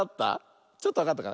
ちょっとわかったかな？